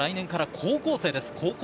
２人は来年から高校生です。